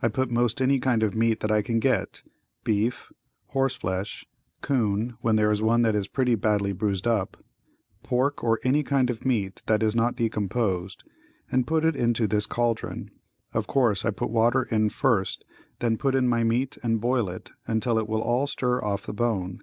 I put most any kind of meat that I can get, beef, horse flesh, 'coon, when there is one that is pretty badly bruised up, pork or any kind of meat that is not decomposed, and put it into this caldron. Of course, I put water in first then put in my meat and boil until it will all stir off the bone.